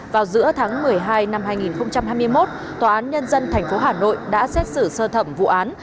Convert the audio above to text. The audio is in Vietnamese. vào giữa tháng một mươi hai năm hai nghìn hai mươi một tòa án nhân dân tp hà nội đã xét xử sơ thẩm vụ án